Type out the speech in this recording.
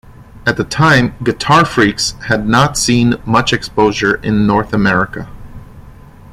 At the time, "GuitarFreaks" had not seen much exposure in North America.